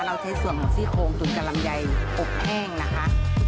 เราใช้ส่วนหมูซี่โครงหมูตูนกะลำไยอบแห้งนะคะ